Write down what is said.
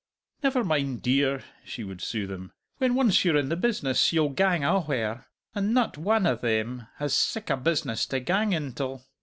"Never mind, dear," she would soothe him; "when once you're in the business, you'll gang a'where. And nut wan o' them has sic a business to gang intill!"